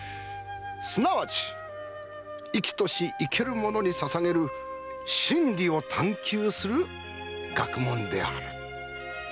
すなわち生きとし生ける者に捧げる真理を探究する学問であるとな。